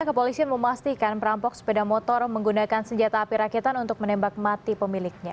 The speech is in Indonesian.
kepolisian memastikan perampok sepeda motor menggunakan senjata api rakitan untuk menembak mati pemiliknya